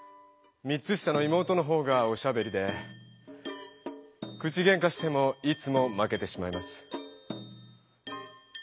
３つ下の妹の方がおしゃべりで口ゲンカしてもいつもまけてしまいます。